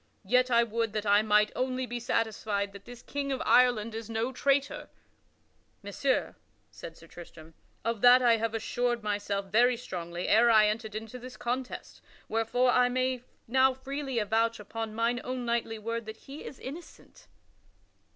Yet I would that I might only be satisfied that this King of Ireland is no traitor." "Messire," said Sir Tristram, "of that I have assured myself very strongly ere I entered into this contest, wherefore I may now freely avouch upon mine own knightly word that he is innocent."